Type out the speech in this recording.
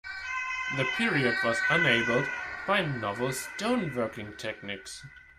The period was enabled by novel stone working techniques.